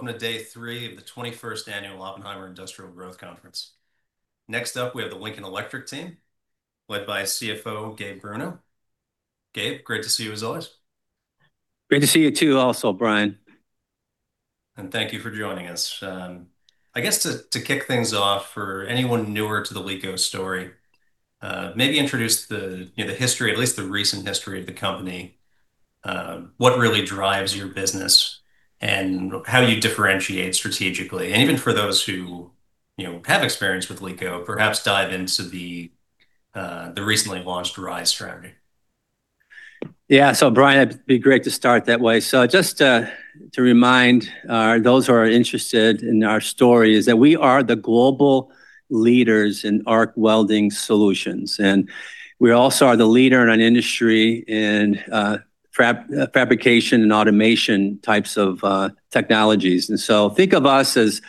Good morning, everyone. Welcome to day three of the 21st Annual Oppenheimer Industrial Growth Conference. Next up we have the Lincoln Electric team, led by CFO Gabe Bruno. Gabe, great to see you as always. Great to see you too also, Brian. Thank you for joining us. I guess to kick things off for anyone newer to the LECO story, maybe introduce the, you know, the history, at least the recent history of the company, what really drives your business and how you differentiate strategically. Even for those who, you know, have experience with LECO, perhaps dive into the recently launched RISE strategy. Yeah. Brian, it'd be great to start that way. Just to remind those who are interested in our story is that we are the global leaders in arc welding solutions, and we also are the leader in an industry in fabrication and automation types of technologies. Think of us as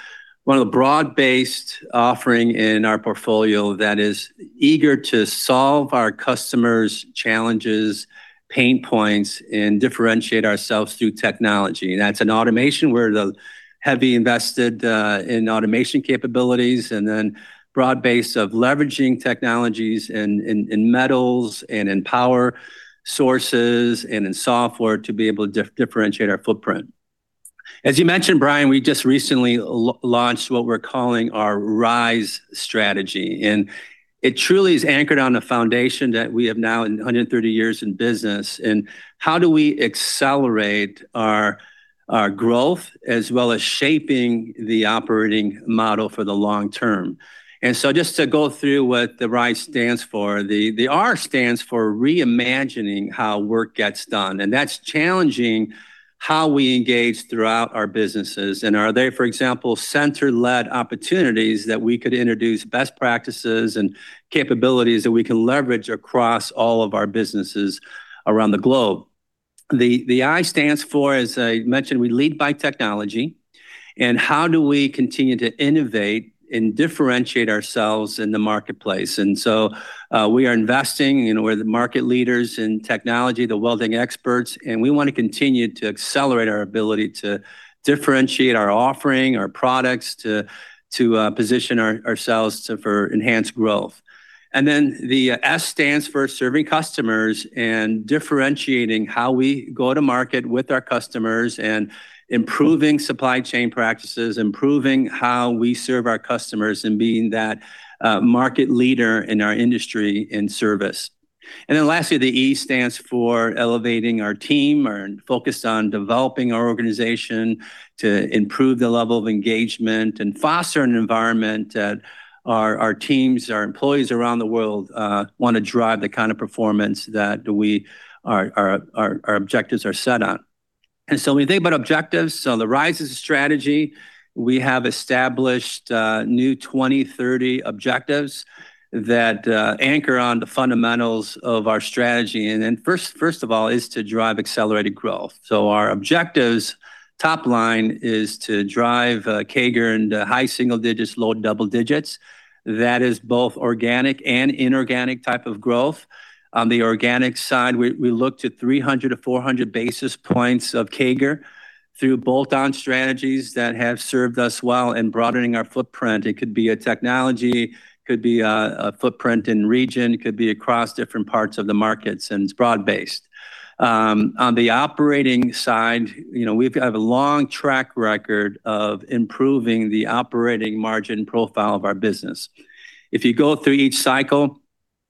one of the broad-based offering in our portfolio that is eager to solve our customers' challenges, pain points, and differentiate ourselves through technology. That's an automation. We're the heavy invested in automation capabilities and then broad base of leveraging technologies in, in metals and in power sources and in software to be able to differentiate our footprint. As you mentioned, Brian, we just recently launched what we're calling our RISE strategy. It truly is anchored on a foundation that we have now 130 years in business. How do we accelerate our growth as well as shaping the operating model for the long term? Just to go through what the RISE stands for, the R stands for reimagining how work gets done. That's challenging how we engage throughout our businesses. Are there, for example, center-led opportunities that we could introduce best practices and capabilities that we can leverage across all of our businesses around the globe? The I stands for, as I mentioned, we lead by technology. How do we continue to innovate and differentiate ourselves in the marketplace. We are investing, you know, we're the market leaders in technology, the welding experts, and we want to continue to accelerate our ability to differentiate our offering, our products, to position ourselves for enhanced growth. The S stands for serving customers and differentiating how we go to market with our customers and improving supply chain practices, improving how we serve our customers, and being that market leader in our industry and service. Lastly, the E stands for elevating our team. We're focused on developing our organization to improve the level of engagement and foster an environment that our teams, our employees around the world, wanna drive the kind of performance that our objectives are set on. When you think about objectives, the RISE's strategy, we have established new 2030 objectives that anchor on the fundamentals of our strategy. First of all is to drive accelerated growth. Our objectives top line is to drive CAGR into high single digits, low double digits. That is both organic and inorganic type of growth. On the organic side, we look to 300 to 400 basis points of CAGR through bolt-on strategies that have served us well in broadening our footprint. It could be a technology, could be a footprint in region, could be across different parts of the markets, and it's broad based. On the operating side, you know, we have a long track record of improving the operating margin profile of our business. If you go through each cycle,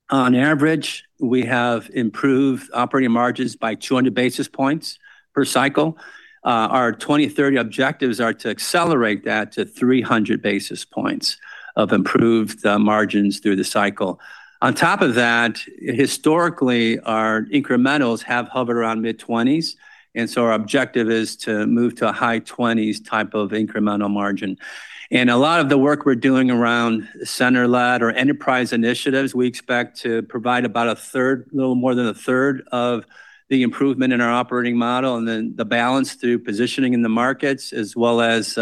on average, we have improved operating margins by 200 basis points per cycle. Our 2030 objectives are to accelerate that to 300 basis points of improved margins through the cycle. On top of that, historically, our incrementals have hovered around mid-20s, our objective is to move to a high 20s type of incremental margin. A lot of the work we're doing around center-led or enterprise initiatives, we expect to provide about 1/3, little more than 1/3 of the improvement in our operating model and then the balance through positioning in the markets as well as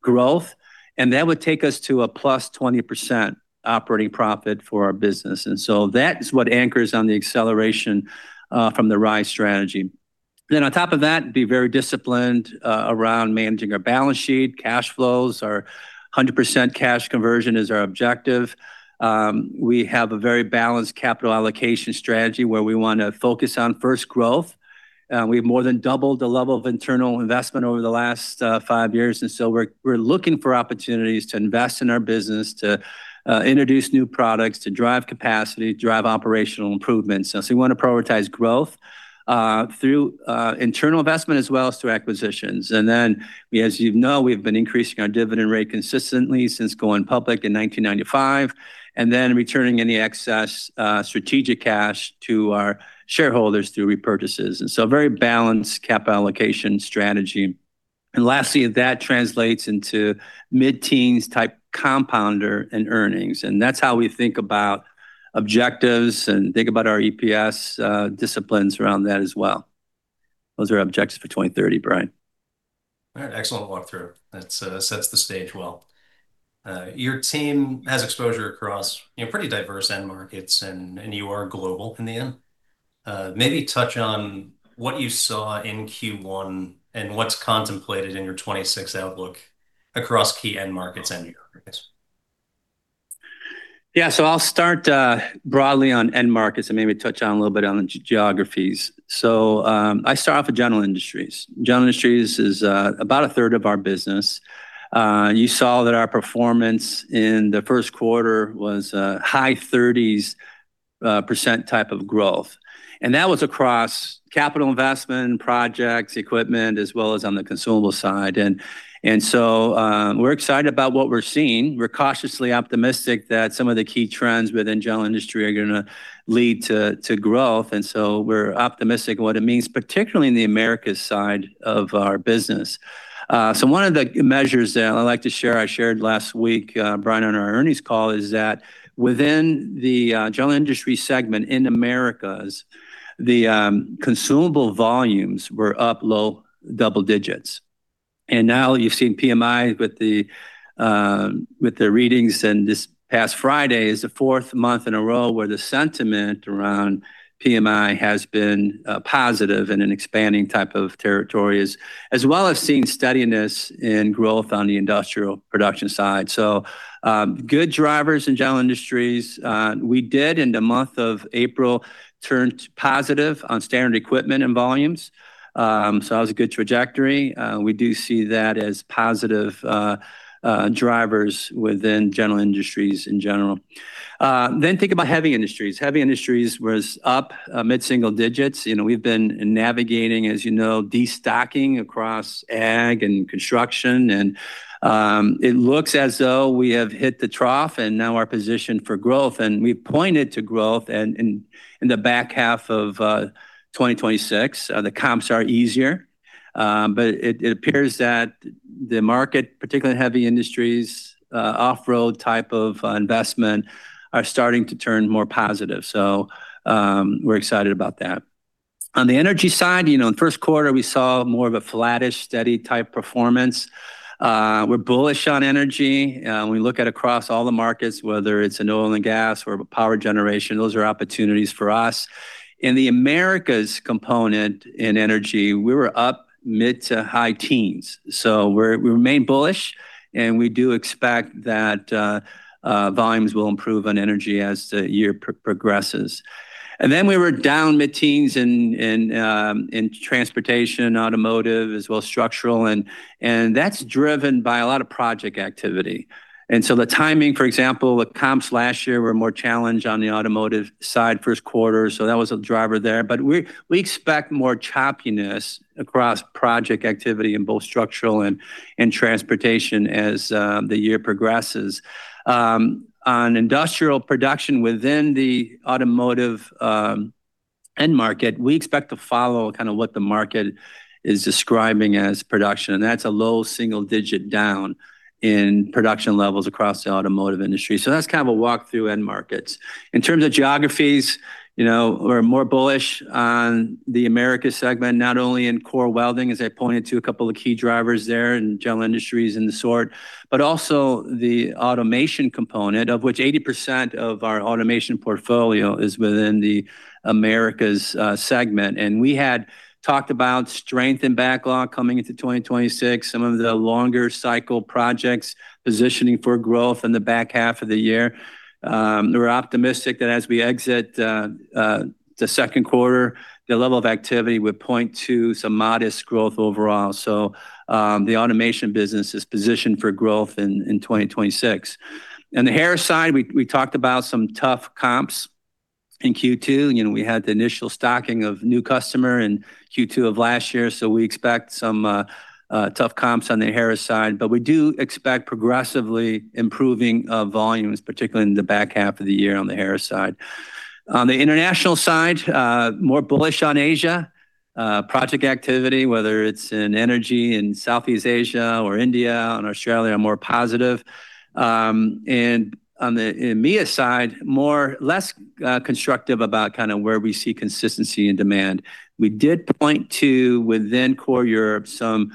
growth. That would take us to a +20% operating profit for our business. That is what anchors on the acceleration from the RISE strategy. On top of that, be very disciplined around managing our balance sheet, cash flows. Our 100% cash conversion is our objective. We have a very balanced capital allocation strategy where we wanna focus on, first, growth. We've more than doubled the level of internal investment over the last five years, and so we're looking for opportunities to invest in our business, to introduce new products, to drive capacity, drive operational improvements. We wanna prioritize growth through internal investment as well as through acquisitions. As you know, we've been increasing our dividend rate consistently since going public in 1995 and then returning any excess strategic cash to our shareholders through repurchases. Very balanced capital allocation strategy. Lastly, that translates into mid-teens type compounder and earnings, and that's how we think about objectives and think about our EPS disciplines around that as well. Those are our objectives for 2030, Brian. All right. Excellent walkthrough. That sets the stage well. Your team has exposure across, you know, pretty diverse end markets and you are global in the end. Maybe touch on what you saw in Q1 and what's contemplated in your 2026 outlook across key end markets and geographies. Yeah. I'll start broadly on end markets and maybe touch on a little bit on the geographies. I start off with general industries. General industries is about 1/3 of our business. You saw that our performance in the first quarter was high 30s percent type of growth, and that was across capital investment, projects, equipment, as well as on the consumable side. We're excited about what we're seeing. We're cautiously optimistic that some of the key trends within general industry are gonna lead to growth. We're optimistic what it means, particularly in the Americas side of our business. One of the measures that I like to share, I shared last week, Brian, on our earnings call, is that within the general industry segment in Americas, the consumable volumes were up low double digits. Now you've seen PMI with the readings, and this past Friday is the fourth month in a row where the sentiment around PMI has been positive in an expanding type of territory, as well as seeing steadiness in growth on the industrial production side. Good drivers in general industries. We did in the month of April turned positive on standard equipment and volumes. That was a good trajectory. We do see that as positive drivers within general industries in general. Think about heavy industries. Heavy industries was up mid-single digits. You know, we've been navigating, as you know, destocking across ag and construction. It looks as though we have hit the trough and now are positioned for growth. We pointed to growth in the back half of 2026. The comps are easier. It appears that the market, particularly in heavy industries, off-road type of investment are starting to turn more positive. We're excited about that. On the energy side, you know, in the first quarter, we saw more of a flattish, steady type performance. We're bullish on energy. When we look at across all the markets, whether it's in oil and gas or power generation, those are opportunities for us. In the Americas component in energy, we were up mid to high teens. We remain bullish, we do expect that volumes will improve on energy as the year progresses. We were down mid-teens in transportation, automotive, as well as structural, and that's driven by a lot of project activity. The timing, for example, the comps last year were more challenged on the automotive side first quarter, so that was a driver there. We expect more choppiness across project activity in both structural and transportation as the year progresses. On industrial production within the automotive end market, we expect to follow kind of what the market is describing as production, that's a low single-digit down in production levels across the automotive industry. That's kind of a walk-through end markets. In terms of geographies, you know, we're more bullish on the Americas segment, not only in core welding, as I pointed to a couple of key drivers there in general industries and the sort, but also the automation component, of which 80% of our automation portfolio is within the Americas segment. We had talked about strength in backlog coming into 2026, some of the longer cycle projects positioning for growth in the back half of the year. We're optimistic that as we exit the second quarter, the level of activity would point to some modest growth overall. The automation business is positioned for growth in 2026. On the Harris side, we talked about some tough comps in Q2. You know, we had the initial stocking of new customer in Q2 of last year, so we expect some tough comps on the Harris side. We do expect progressively improving volumes, particularly in the back half of the year on the Harris side. On the international side, more bullish on Asia. Project activity, whether it's in energy in Southeast Asia or India and Australia, are more positive. On the EMEA side, less constructive about kind of where we see consistency in demand. We did point to, within core Europe, some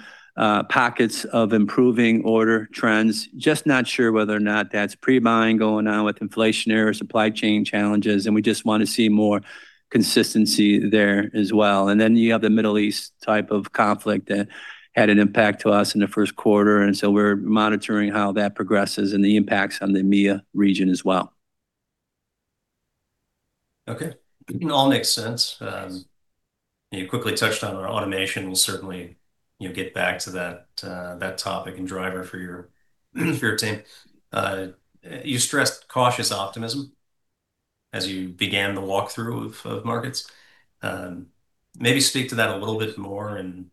pockets of improving order trends, just not sure whether or not that's pre-buying going on with inflationary or supply chain challenges, and we just want to see more consistency there as well. You have the Middle East type of conflict that had an impact to us in the first quarter. We're monitoring how that progresses and the impacts on the EMEA region as well. Okay. All makes sense. You quickly touched on our automation. We'll certainly, you know, get back to that topic and driver for your, for your team. You stressed cautious optimism as you began the walkthrough of markets. Maybe speak to that a little bit more and,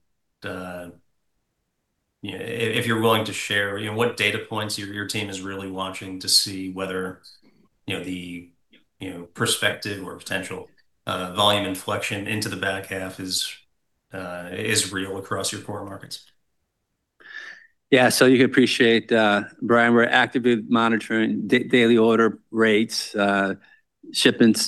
if you're willing to share, you know, what data points your team is really watching to see whether, you know, the, you know, perspective or potential, volume inflection into the back half is real across your core markets. Yeah. You can appreciate, Brian, we're actively monitoring daily order rates, shipments,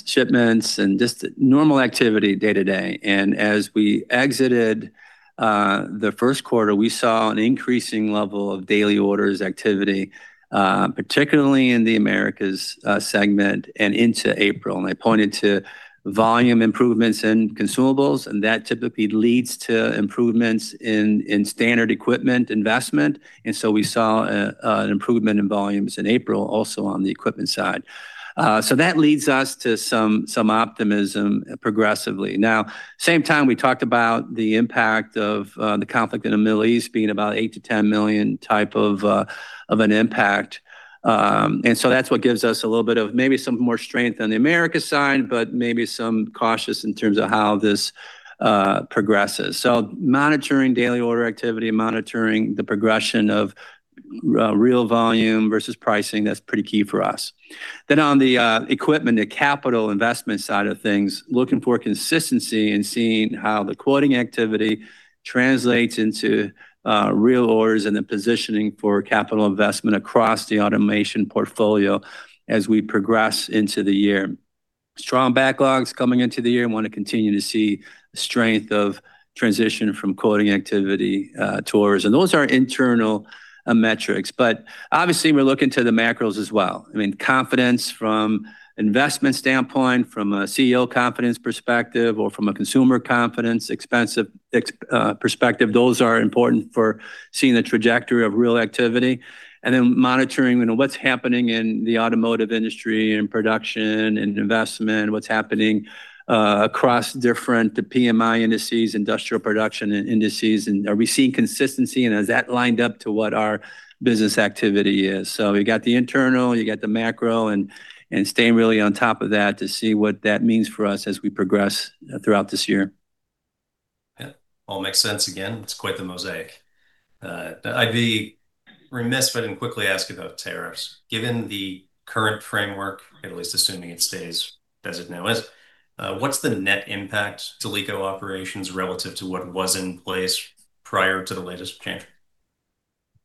and just normal activity day to day. As we exited the first quarter, we saw an increasing level of daily orders activity, particularly in the Americas segment and into April. I pointed to volume improvements in consumables, and that typically leads to improvements in standard equipment investment. We saw an improvement in volumes in April also on the equipment side. That leads us to some optimism progressively. Now, same time, we talked about the impact of the conflict in the Middle East being about $8 million-$10 million type of an impact. That's what gives us a little bit of maybe some more strength on the America side, but maybe some cautious in terms of how this progresses. Monitoring daily order activity, monitoring the progression of real volume versus pricing, that's pretty key for us. On the equipment, the capital investment side of things, looking for consistency and seeing how the quoting activity translates into real orders and the positioning for capital investment across the automation portfolio as we progress into the year. Strong backlogs coming into the year, want to continue to see the strength of transition from quoting activity to orders. Those are internal metrics, but obviously we're looking to the macros as well. I mean, confidence from investment standpoint, from a CEO confidence perspective or from a consumer confidence perspective, those are important for seeing the trajectory of real activity. Monitoring, you know, what's happening in the automotive industry and production and investment, what's happening across different, the PMI indices, industrial production indices, and are we seeing consistency, and has that lined up to what our business activity is? You got the internal, you got the macro, and staying really on top of that to see what that means for us as we progress throughout this year. Yeah. All makes sense. Again, it's quite the mosaic. I'd be remiss if I didn't quickly ask about tariffs. Given the current framework, at least assuming it stays as it now is, what's the net impact to LECO operations relative to what was in place prior to the latest change?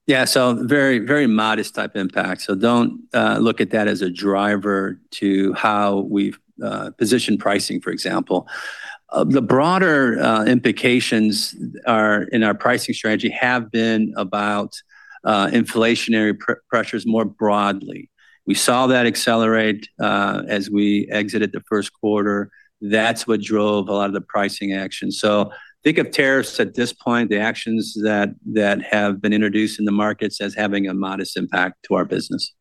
Yeah. Very modest type impact. Don't look at that as a driver to how we've positioned pricing, for example. The broader implications are, in our pricing strategy have been about inflationary pressures more broadly. We saw that accelerate as we exited the first quarter. That's what drove a lot of the pricing action. Think of tariffs at this point, the actions that have been introduced in the markets as having a modest impact to our business.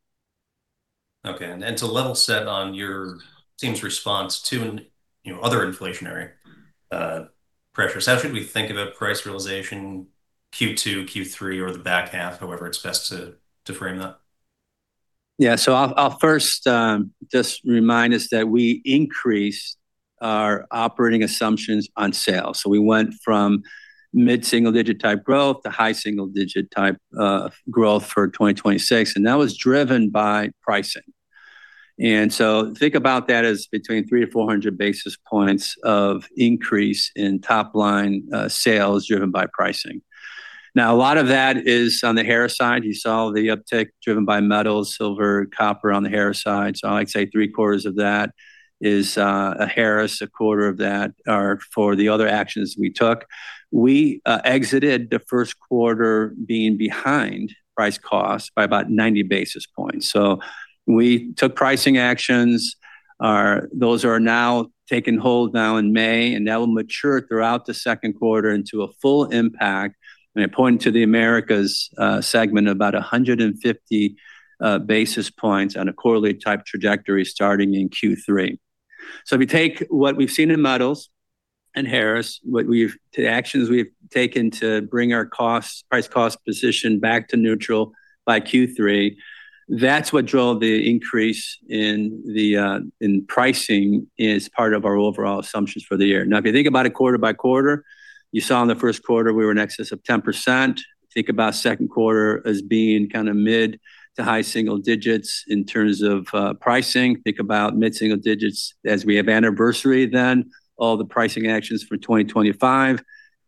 Okay. To level set on your team's response to, you know, other inflationary pressures, how should we think about price realization Q2, Q3, or the back half, however it's best to frame that? Yeah. I'll first just remind us that we increased our operating assumptions on sales. We went from mid-single digit type growth to high single digit type growth for 2026, that was driven by pricing. Think about that as between 300-400 basis points of increase in top line sales driven by pricing. Now, a lot of that is on the Harris side. You saw the uptick driven by metals, silver, copper on the Harris side. I'd say 3/4 of that is Harris, 1/4 of that are for the other actions we took. We exited the first quarter being behind price cost by about 90 basis points. We took pricing actions. Those are now taking hold now in May, and that will mature throughout the second quarter into a full impact, and I pointed to the Americas segment, about 150 basis points on a quarterly type trajectory starting in Q3. If you take what we've seen in metals and Harris, the actions we've taken to bring our costs, price cost position back to neutral by Q3, that's what drove the increase in the pricing as part of our overall assumptions for the year. If you think about it quarter by quarter, you saw in the first quarter we were in excess of 10%. Think about second quarter as being kind of mid to high single digits in terms of pricing. Think about mid-single digits as we have anniversary then, all the pricing actions for 2025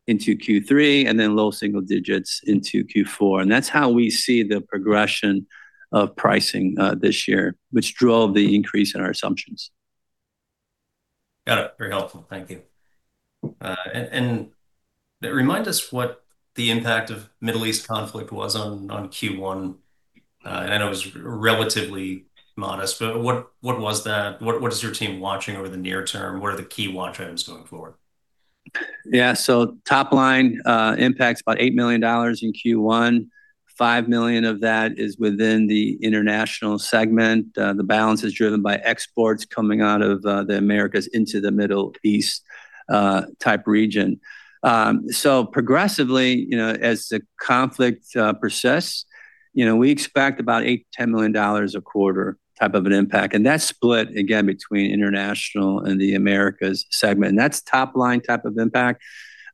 into Q3, and then low single digits into Q4. That's how we see the progression of pricing this year, which drove the increase in our assumptions. Got it. Very helpful. Thank you. Remind us what the impact of Middle East conflict was on Q1? I know it was relatively modest, but what was that? What is your team watching over the near term? What are the key watch items going forward? Yeah. Top line, impact's about $8 million in Q1. $5 million of that is within the International segment. The balance is driven by exports coming out of the Americas into the Middle East type region. Progressively, you know, as the conflict persists, you know, we expect about $8 million-$10 million a quarter type of an impact, and that's split again between International and the Americas segment. That's top line type of impact.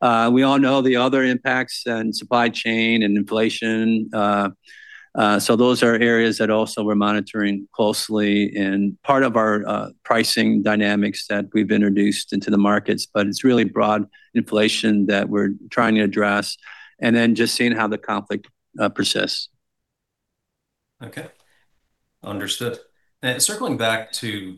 We all know the other impacts in supply chain and inflation. Those are areas that also we're monitoring closely and part of our pricing dynamics that we've introduced into the markets, but it's really broad inflation that we're trying to address, just seeing how the conflict persists. Okay. Understood. Now circling back to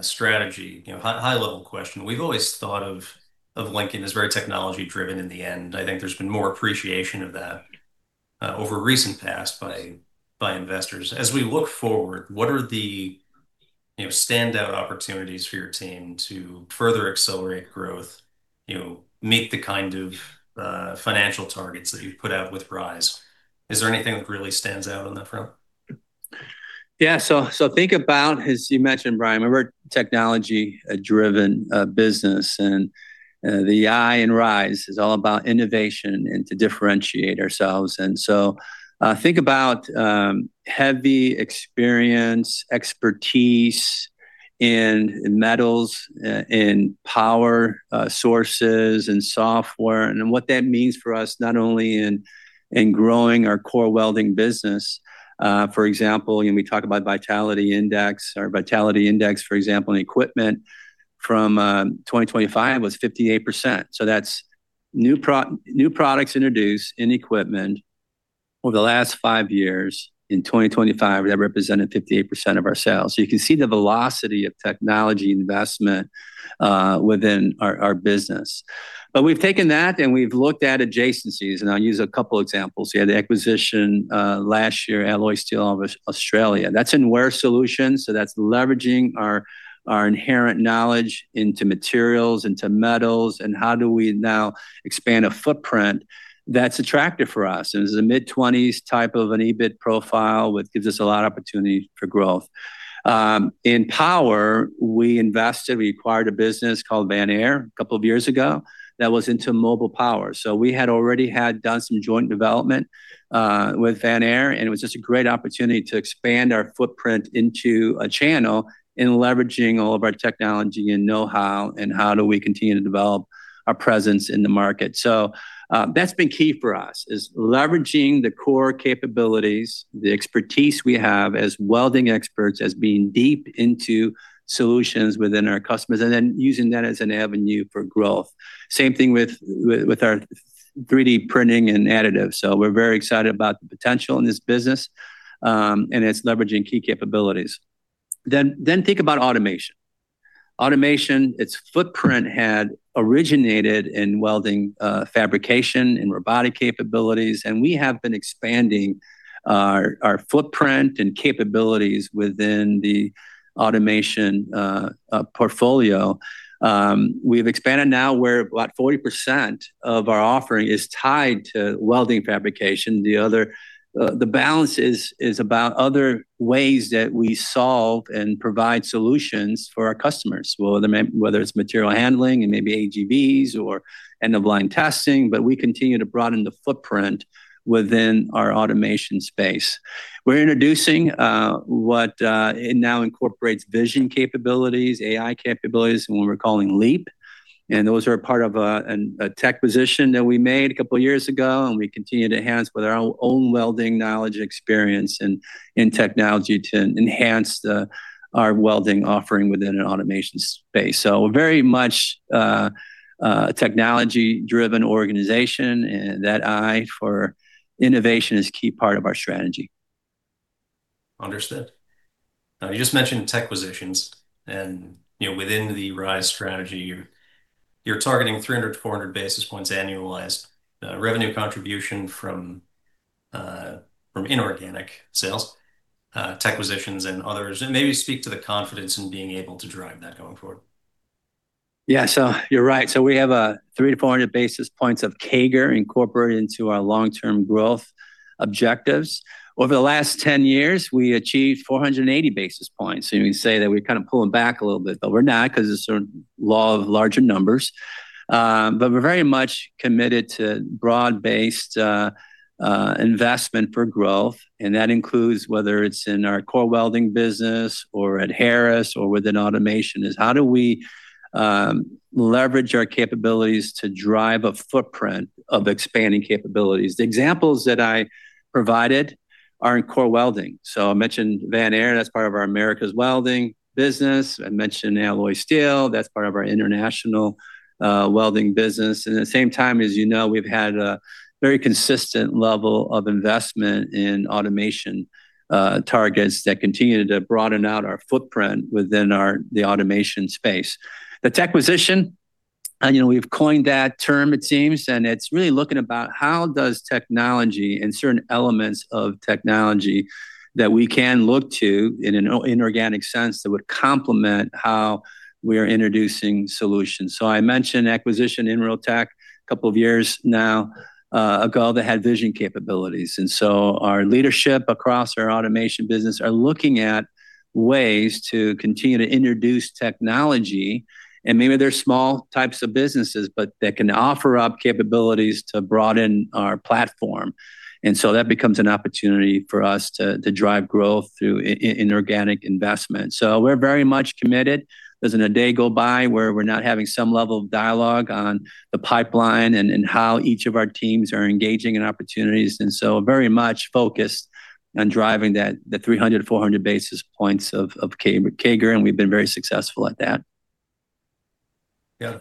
strategy, you know, high level question. We've always thought of Lincoln as very technology driven in the end. I think there's been more appreciation of that over recent past by investors. As we look forward, what are the, you know, standout opportunities for your team to further accelerate growth, you know, meet the kind of financial targets that you've put out with RISE? Is there anything that really stands out on that front? Yeah, think about, as you mentioned, Brian, remember technology, a driven business and the I in RISE is all about innovation and to differentiate ourselves. Think about heavy experience, expertise in metals, in power sources and software, and what that means for us, not only in growing our core welding business. For example, you know, we talk about Vitality Index. Our Vitality Index, for example, in equipment from 2025 was 58%, so that's new products introduced in equipment over the last five years. In 2025, that represented 58% of our sales. You can see the velocity of technology investment within our business. We've taken that, and we've looked at adjacencies, and I'll use a couple examples here. The acquisition last year, Alloy Steel Australia, that's in Wear Solutions, so that's leveraging our inherent knowledge into materials, into metals, and how do we now expand a footprint that's attractive for us? This is a mid-20s type of an EBIT profile, which gives us a lot of opportunity for growth. In power, we invested, we acquired a business called Vanair couple of years ago that was into mobile power. We had already had done some joint development with Vanair. It was just a great opportunity to expand our footprint into a channel in leveraging all of our technology and know-how and how do we continue to develop our presence in the market. That's been key for us is leveraging the core capabilities, the expertise we have as welding experts, as being deep into solutions within our customers, and then using that as an avenue for growth. Same thing with our 3D printing and additives, so we're very excited about the potential in this business, and it's leveraging key capabilities. Then think about automation. Automation, its footprint had originated in welding, fabrication and robotic capabilities, and we have been expanding our footprint and capabilities within the automation portfolio. We've expanded now where about 40% of our offering is tied to welding fabrication. The other, the balance is about other ways that we solve and provide solutions for our customers, whether it's material handling and maybe AGVs or end-of-line testing. We continue to broaden the footprint within our automation space. We're introducing, what it now incorporates vision capabilities, AI capabilities, and what we're calling LEAP. Those are a part of a techquisition that we made a couple of years ago. We continue to enhance with our own welding knowledge and experience in technology to enhance our welding offering within an automation space. We're very much a technology-driven organization. That I for innovation is a key part of our strategy. Understood. Now you just mentioned tech acquisitions and, you know, within the RISE strategy, you're targeting 300-400 basis points annualized revenue contribution from inorganic sales, tech acquisitions and others. Maybe speak to the confidence in being able to drive that going forward. Yeah, you're right. We have a 300-400 basis points of CAGR incorporated into our long-term growth objectives. Over the last 10 years, we achieved 480 basis points, you can say that we're kind of pulling back a little bit, we're not because it's a law of larger numbers. We're very much committed to broad-based investment for growth, and that includes whether it's in our core welding business or at Harris or within automation, is how do we leverage our capabilities to drive a footprint of expanding capabilities? The examples that I provided are in core welding. I mentioned Vanair, that's part of our Americas welding business. I mentioned Alloy Steel, that's part of our international welding business. At the same time, as you know, we've had a very consistent level of investment in automation, targets that continue to broaden out our footprint within the automation space. The techquisition, you know, we've coined that term it seems, and it's really looking about how does technology and certain elements of technology that we can look to in an inorganic sense that would complement how we're introducing solutions. I mentioned acquisition Inrotech a couple of years now ago, that had vision capabilities. Our leadership across our automation business are looking at ways to continue to introduce technology, and maybe they're small types of businesses, but they can offer up capabilities to broaden our platform. That becomes an opportunity for us to drive growth through inorganic investment. We're very much committed. There isn't a day go by where we're not having some level of dialogue on the pipeline and how each of our teams are engaging in opportunities. Very much focused on driving that, the 300-400 basis points of CAGR, and we've been very successful at that. Yeah.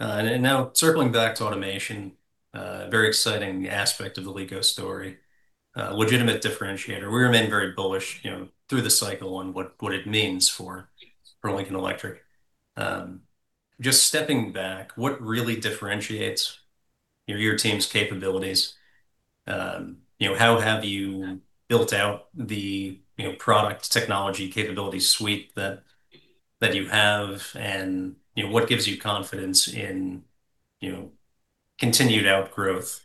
Now circling back to automation, a very exciting aspect of the LECO story, legitimate differentiator. We remain very bullish, you know, through the cycle and what it means for Lincoln Electric. Just stepping back, what really differentiates your team's capabilities? You know, how have you built out the, you know, product technology capability suite that you have? You know, what gives you confidence in, you know, continued outgrowth,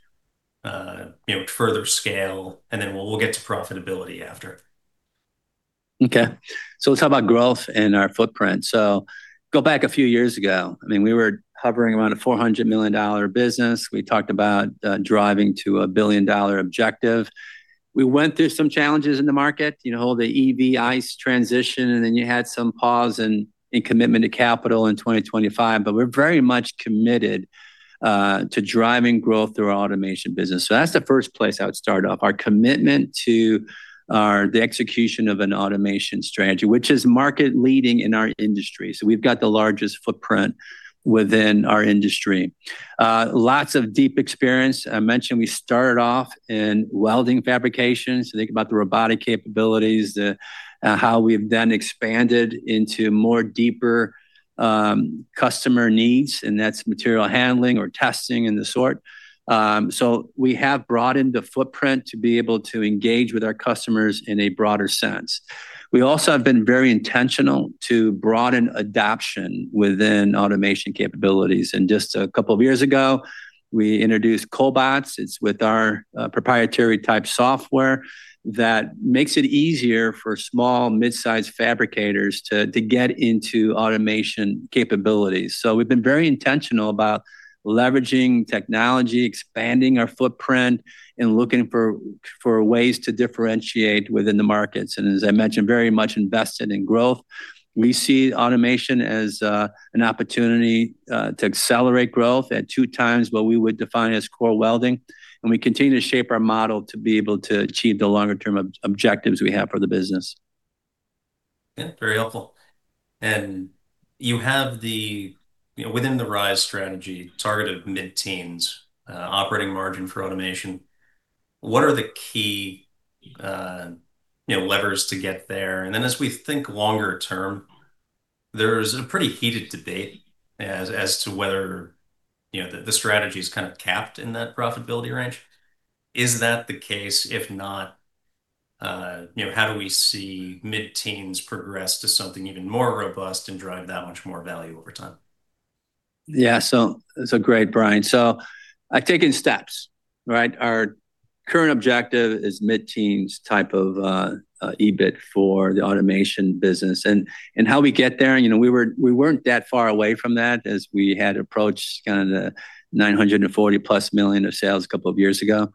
you know, to further scale? We'll get to profitability after. Okay. Let's talk about growth and our footprint. Go back a few years ago, I mean, we were hovering around a $400 million business. We talked about driving to a $1 billion objective. We went through some challenges in the market, you know, the EV/ICE transition, and then you had some pause in commitment to capital in 2025. We're very much committed to driving growth through our automation business. That's the first place I would start off, our commitment to the execution of an automation strategy, which is market leading in our industry. We've got the largest footprint within our industry. Lots of deep experience. I mentioned we started off in welding fabrication, so think about the robotic capabilities, the how we've then expanded into more deeper customer needs, and that's material handling or testing and the sort. We have broadened the footprint to be able to engage with our customers in a broader sense. We also have been very intentional to broaden adoption within automation capabilities. Just a couple of years ago, we introduced Cobots. It's with our proprietary type software that makes it easier for small, mid-size fabricators to get into automation capabilities. We've been very intentional about leveraging technology, expanding our footprint, and looking for ways to differentiate within the markets, and as I mentioned, very much invested in growth. We see automation as an opportunity to accelerate growth at 2x what we would define as core welding, and we continue to shape our model to be able to achieve the longer term objectives we have for the business. Yeah. Very helpful. You have the, you know, within the RISE strategy, targeted mid-teens operating margin for automation. What are the key, you know, levers to get there? As we think longer term, there's a pretty heated debate as to whether, you know, the strategy's kind of capped in that profitability range. Is that the case? If not, you know, how do we see mid-teens progress to something even more robust and drive that much more value over time? Yeah. Great, Brian. Taking steps, right? Our current objective is mid-teens type of EBIT for the automation business. How we get there, you know, we weren't that far away from that as we had approached kind of the $940 million plus of sales a couple of years ago.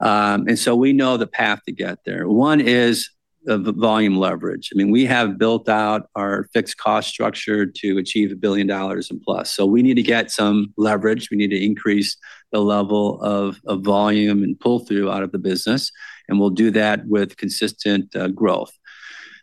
We know the path to get there. One is the volume leverage. I mean, we have built out our fixed cost structure to achieve $1 billion and plus. We need to get some leverage. We need to increase the level of volume and pull through out of the business, and we'll do that with consistent growth.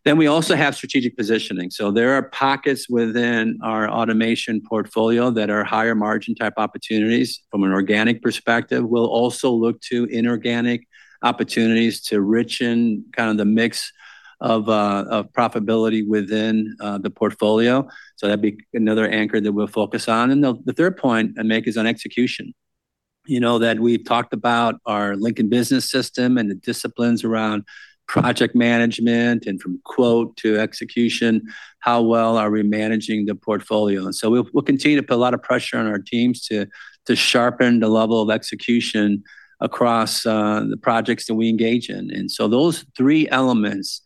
We also have strategic positioning. There are pockets within our automation portfolio that are higher margin type opportunities from an organic perspective. We'll also look to inorganic opportunities to richen kind of the mix of profitability within the portfolio. That'd be another anchor that we'll focus on. The third point I'd make is on execution. You know that we've talked about our Lincoln Business System and the disciplines around project management and from quote to execution, how well are we managing the portfolio. We'll continue to put a lot of pressure on our teams to sharpen the level of execution across the projects that we engage in. Those three elements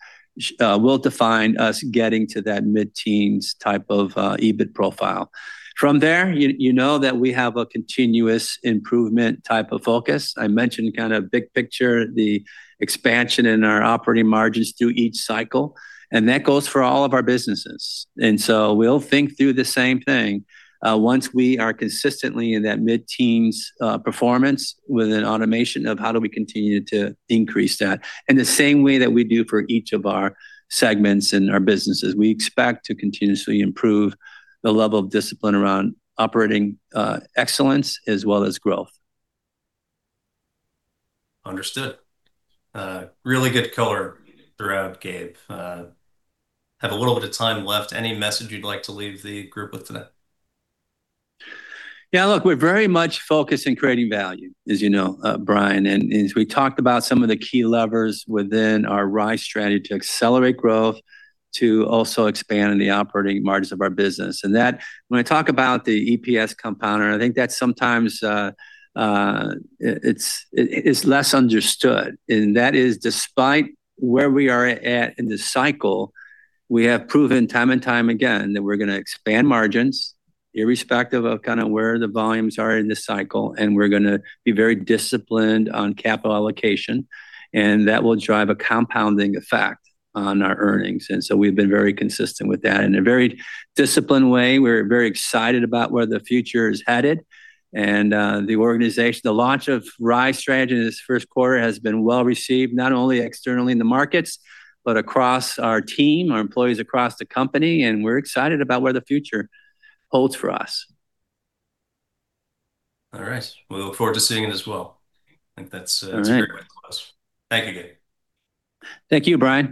will define us getting to that mid-teens type of EBIT profile. From there, you know that we have a continuous improvement type of focus. I mentioned kind of big picture, the expansion in our operating margins through each cycle, and that goes for all of our businesses. We'll think through the same thing, once we are consistently in that mid-teens performance within automation of how do we continue to increase that. In the same way that we do for each of our segments in our businesses, we expect to continuously improve the level of discipline around operating excellence as well as growth. Understood. Really good color throughout, Gabe. Have a little bit of time left. Any message you'd like to leave the group with today? Yeah, look, we're very much focused in creating value, as you know, Brian, as we talked about some of the key levers within our RISE strategy to accelerate growth, to also expand the operating margins of our business. That, when I talk about the EPS compounder, I think that's sometimes, it's less understood. That is despite where we are at in this cycle, we have proven time and time again that we're gonna expand margins irrespective of kind of where the volumes are in this cycle, and we're gonna be very disciplined on capital allocation, and that will drive a compounding effect on our earnings. So we've been very consistent with that. In a very disciplined way, we're very excited about where the future is headed and the organization. The launch of RISE strategy in this first quarter has been well-received, not only externally in the markets, but across our team, our employees across the company, and we're excited about where the future holds for us. All right. We look forward to seeing it as well. I think that's. All right. That's very much close. Thank you, Gabe. Thank you, Brian.